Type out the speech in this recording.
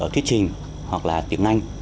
thuyết trình hoặc là tiếng anh